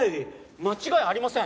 間違いありません。